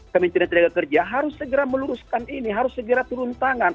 kementerian tenaga kerja harus segera meluruskan ini harus segera turun tangan